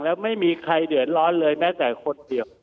แล้วไม่มีใครเดือดร้อนเลยแม้แต่คนเดียว